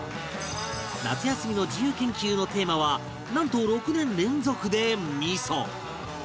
夏休みの自由研究のテーマはなんと６年連続で味噌